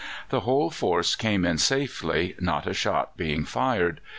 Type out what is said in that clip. The whole force came in safely, not a shot being fired.